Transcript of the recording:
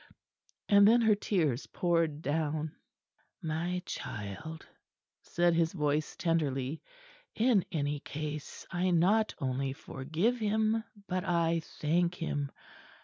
And then her tears poured down. "My child," said his voice tenderly, "in any case I not only forgive him, but I thank him.